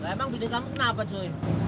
emang pilih kamu kenapa cuy